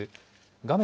画面